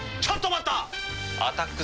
ちょっと待った！